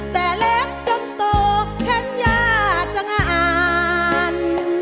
แต่เล้งจนโตแค่ญาติงอ่าน